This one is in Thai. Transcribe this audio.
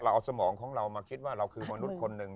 เราเอาสมองของเรามาคิดว่าเราคือมนุษย์คนหนึ่ง